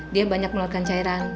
dia banyak mengeluarkan cairan